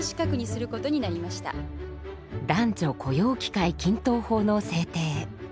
男女雇用機会均等法の制定。